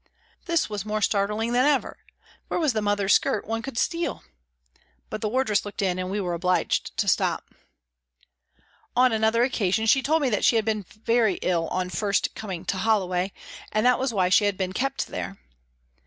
This was more startling than ever. Where was the mother's skirt one could " steal "? But the wardress looked in and we were obliged to stop. On another occasion she told me that she had been very ill on first coming to Holloway, and that was why she had been kept there.